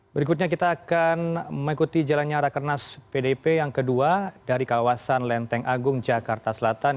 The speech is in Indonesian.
berikutnya kita akan mengikuti jalannya rakernas pdp yang kedua dari kawasan lenteng agung jakarta selatan